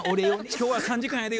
「今日は３時間やで」